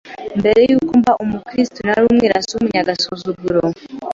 Mbere y’uko mba umukristo nari umwirasi w’umunyagasuzuguro,